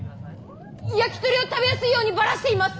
焼き鳥を食べやすいようにばらしています。